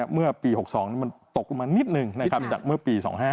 เมื่อปี๖๒มันตกลงมานิดนึงจากเมื่อปี๒๕๖